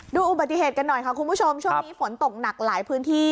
อุบัติเหตุกันหน่อยค่ะคุณผู้ชมช่วงนี้ฝนตกหนักหลายพื้นที่